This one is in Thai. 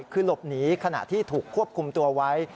คือหลบหนีขณะที่ถูกควบคุมตัวไว้